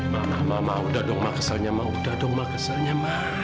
mama mama mama udah dong ma keselnya ma udah dong ma keselnya ma